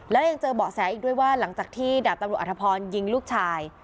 แล้วยังเจอเบาะแสอีกด้วยว่าหลังจากที่ดาบตำรวจอธพรยิงลูกชาย